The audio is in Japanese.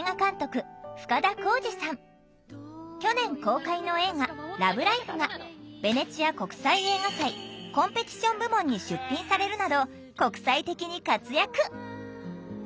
去年公開の映画「ＬＯＶＥＬＩＦＥ」がベネチア国際映画祭コンペティション部門に出品されるなど国際的に活躍